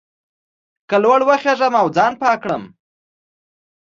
که لوړ وخېژم او ځان پاک کړم.